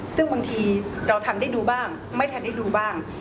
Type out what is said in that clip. ซึ่งบางทีเราทันได้ดูบ้างไม่ทันได้ดูบ้าง